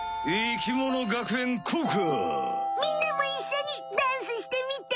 みんなもいっしょにダンスしてみて！